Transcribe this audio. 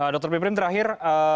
dr biprim terakhir